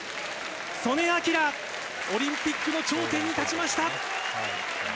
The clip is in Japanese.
素根輝、オリンピックの頂点に立ちました。